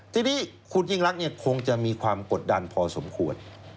ทีนี้คุณยิ่งรักเนี่ยคงจะมีความกดดันพอสมควร